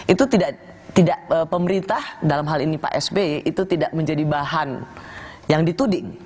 itu tidak pemerintah dalam hal ini pak sby itu tidak menjadi bahan yang dituding